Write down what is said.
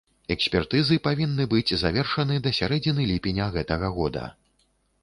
Экспертызы павінны быць завершаны да сярэдзіны ліпеня гэтага года.